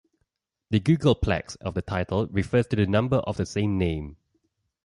The "Googolplex" of the title refers to the number of the same name.